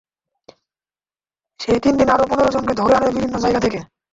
সেই তিন দিনে আরও পনেরো জনকে ধরে আনে বিভিন্ন জায়গা থেকে।